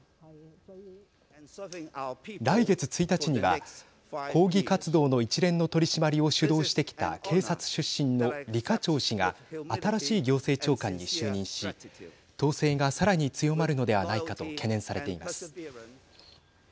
来月１日には抗議活動の一連の取り締まりを主導してきた警察出身の李家超氏が新しい行政長官に就任し統制がさらに強まるのではないかと懸念されています。